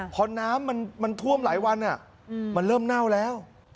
พอน้ำมันท่วมหลายวันมันเริ่มเน่าแล้ว